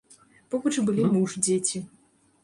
Побач былі муж, дзеці.